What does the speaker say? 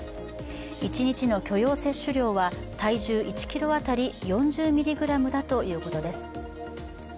一日の許容摂取量は体重１ｋｇ当たり４０ｍｇだということです。